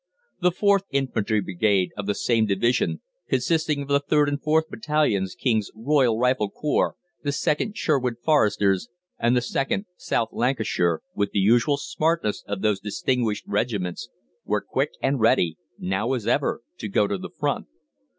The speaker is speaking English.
The 4th Infantry Brigade of the same division, consisting of the 3rd and 4th Battalions King's Royal Rifle Corps, the 2nd Sherwood Foresters, and the 2nd South Lancashire, with the usual smartness of those distinguished regiments, were quick and ready, now as ever, to go to the front.